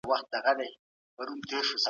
رئيس د غونډي اجنډا بيانوي.